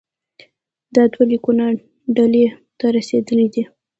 دا دوه لیکونه ډهلي ته رسېدلي دي.